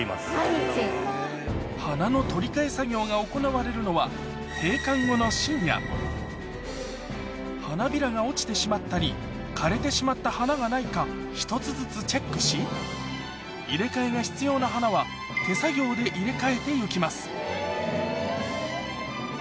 花の取り換え作業が行われるのは閉館後の花びらが落ちてしまったり枯れてしまった花がないか１つずつチェックし入れ替えが必要な花は手作業で入れ替えて行きます